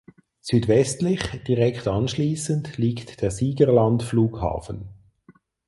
Südwestlich direkt anschließend liegt der Siegerland Flughafen.